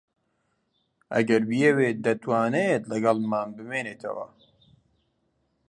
ئەگەر بیەوێت دەتوانێت لەگەڵمان بمێنێتەوە.